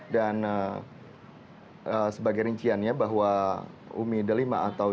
dan sebagai rinciannya bahwa umi delima atau jumiatun